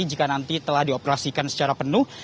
jika nanti telah dioperasikan secara penuh